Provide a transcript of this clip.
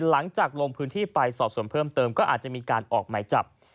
หลังจากลงพื้นที่ไปสอบส่วนเพิ่มเติมก็อาจจะมีการออกหมายจับ